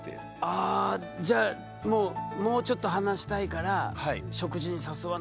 あじゃあもうもうちょっと話したいから食事に誘わなきゃってなったんだ。